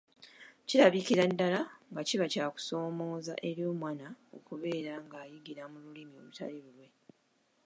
Kirabikira ddala nga kiba kya kusomooza eri omwana okubeera ng’ayigira mu Lulimi olutali lulwe.